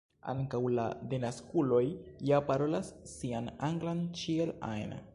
ankaŭ la denaskuloj ja parolas sian anglan ĉiel ajn.